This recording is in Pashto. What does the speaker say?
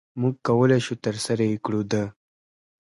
مونږ کولی شو ترسره يي کړو د